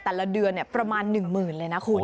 แต่ละเดือนเนี่ยประมาณหนึ่งหมื่นเลยนะคุณ